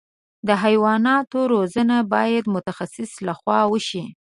د حیواناتو روزنه باید د متخصص له خوا وشي.